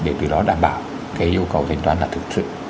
để từ đó đảm bảo cái yêu cầu thanh toán là thực sự